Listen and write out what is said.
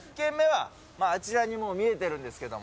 あちらにもう見えてるんですけども。